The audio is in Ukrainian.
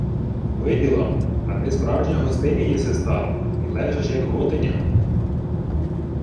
— Виділа-м. А ти справжня готиня єси стала. Й ле-жеш, як готиня.